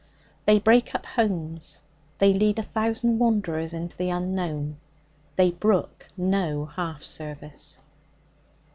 They break up homes. They lead a thousand wanderers into the unknown. They brook no half service.